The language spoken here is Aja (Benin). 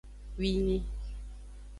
Winyi.